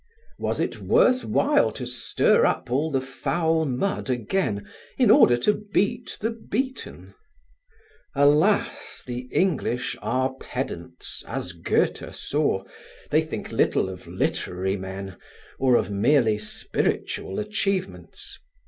Was it worth while to stir up all the foul mud again, in order to beat the beaten? Alas! the English are pedants, as Goethe saw; they think little of literary men, or of merely spiritual achievements.